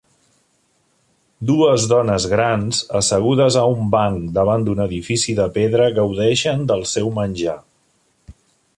Dues dones grans assegudes a un banc davant d'un edifici de pedra gaudeixen del seu menjar.